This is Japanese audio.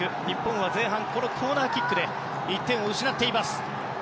日本は前半コーナーキックで１点を失っています。